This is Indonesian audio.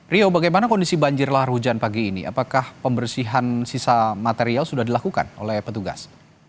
rio bagaimana kondisi banjir lahar hujan pagi ini apakah pembersihan sisa material sudah dilakukan oleh petugas